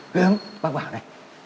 gớm bác bảo này